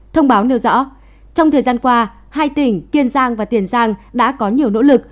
thông báo nêu rõ trong thời gian qua hai tỉnh kiên giang và tiền giang đã có nhiều nỗ lực